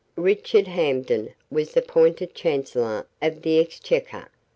Richard Hampden was appointed Chancellor of the Exchequer.